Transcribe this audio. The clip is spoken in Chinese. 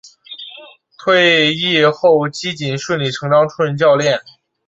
退役后基瑾顺理成章出任教练。